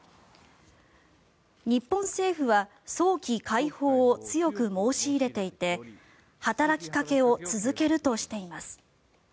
日本政府は早期解放を強く申し入れていて働きかけを続けるとしています。